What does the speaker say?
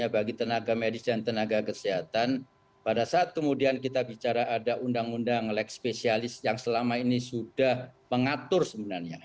bagi tenaga medis dan tenaga kesehatan pada saat kemudian kita bicara ada undang undang leg spesialis yang selama ini sudah mengatur sebenarnya